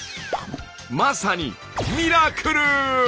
まさにミラクル。